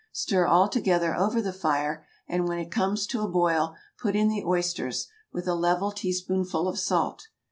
Stir all together over the fire, and when it comes to a boil put in the oysters, with a level teaspoonful of salt.